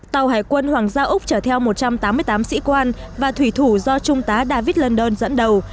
tàu hải quân hoàng gia úc chở theo một trăm tám mươi tám sĩ quan và thủy thủ do trung tá david london dẫn đầu